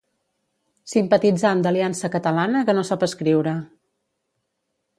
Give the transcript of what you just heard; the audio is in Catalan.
Simpatitzant d'Aliança Catalana que no sap escriure